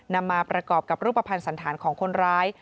นำมาประกอบกับรูปภัณฑ์สันธารของคนร้าย